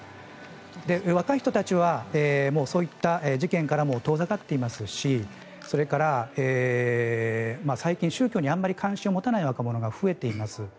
若い人たちはそういった事件からも遠ざかっていますしそれから最近、宗教にあんまり関心を持たない若者が増えています。